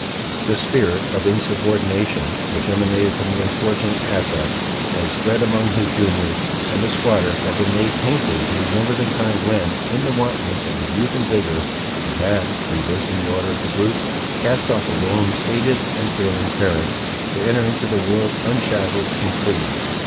The spirit of insubordination, which emanated from the unfortunate Asa, had spread among his juniors; and the squatter had been made painfully to remember the time when, in the wantonness of his youth and vigour, he had, reversing the order of the brutes, cast off his own aged and failing parents, to enter into the world unshackled and free.